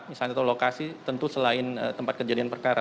misalnya atau lokasi tentu selain tempat kejadian perkara